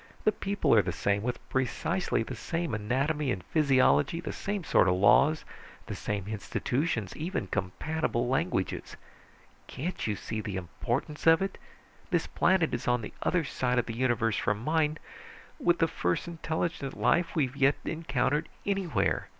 The people are the same, with precisely the same anatomy and physiology, the same sort of laws, the same institutions, even compatible languages. Can't you see the importance of it? This planet is on the other side of the universe from mine, with the first intelligent life we've yet encountered anywhere.